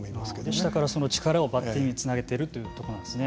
下からその力をバッティングにつなげているというところなんですね。